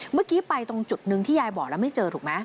เมื่อกี้ไปตรงจุดหนึ่งที่ยายบอกแล้วไม่เจอถูกไหม